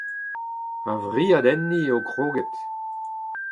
A-vriad enni eo kroget.